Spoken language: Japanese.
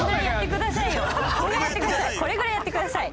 これぐらいやってください。